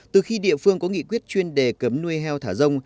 từ khi địa phương có nghị quyết chuyên đề cấm nuôi heo thả rông